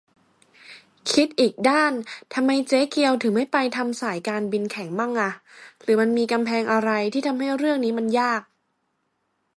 คิดอีกด้าน ทำไมเจ๊เกียวถึงไม่ไปทำสายการบินแข่งมั่งอ่ะ หรือมันมีกำแพงอะไรที่ทำให้เรื่องนี้มันยาก ?